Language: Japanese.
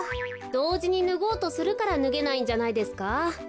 どうじにぬごうとするからぬげないんじゃないですか？